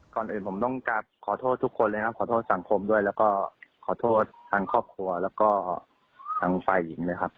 ก่อนอื่นผมต้องกลับขอโทษทุกคนเลยครับขอโทษสังคมด้วยแล้วก็ขอโทษทางครอบครัวแล้วก็ทางฝ่ายหญิงเลยครับ